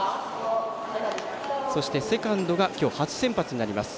そして、セカンドが今日初先発になります